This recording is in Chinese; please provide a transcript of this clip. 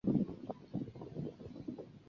粘蓼为蓼科蓼属下的一个种。